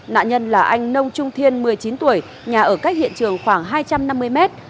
nạn nhân là anh nông trung thiên một mươi chín tuổi nhà ở cách hiện trường khoảng hai trăm năm mươi mét